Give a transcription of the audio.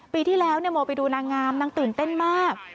ปีที่แล้วโมไปดูนางงามนางตื่นเต้นมาก